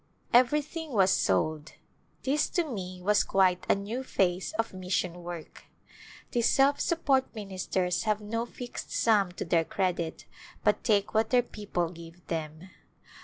Everything was sold. This to me was quite a new phase of mission work. These self support ministers have no fixed sum to their credit but take what their people give them.